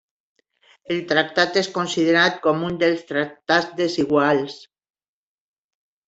El tractat és considerat com un dels tractats desiguals.